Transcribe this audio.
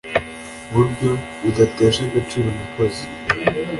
buryo budatesha agaciro umukozi